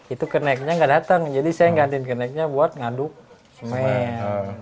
itu kenaiknya nggak datang jadi saya nggantin kenaiknya buat ngaduk semen